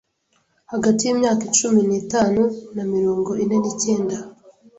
hagati y’imyaka cumi nitanu na mirongo ine ni cyenda